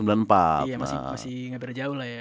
iya masih gak berapa jauh lah ya